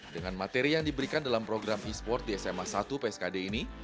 dengan materi yang diberikan dalam program e sport di sma satu pskd ini